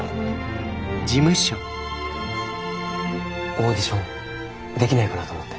オーディションできないかなと思って。